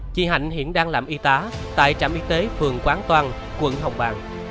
chị hạnh hiện đang làm y tá tại trạm y tế phường quán toan quận hồng bàng